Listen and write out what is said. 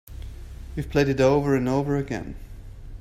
You've played it over and over again.